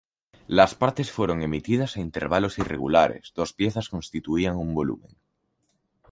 Las partes fueron emitidas a intervalos irregulares, dos piezas constituían un volumen.